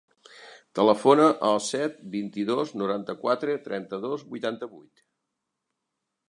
Telefona al set, vint-i-dos, noranta-quatre, trenta-dos, vuitanta-vuit.